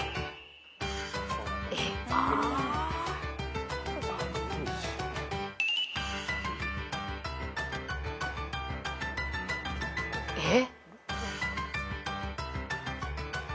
えっ？えっ？